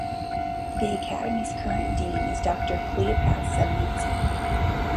The academy's current dean is Doctor Cleopas Samudzi.